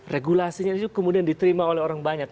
regulasinya itu kemudian diterima oleh orang banyak